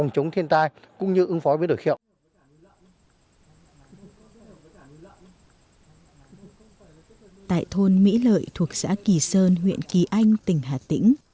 tại thôn mỹ lợi thuộc xã kỳ sơn huyện kỳ anh tỉnh hà tĩnh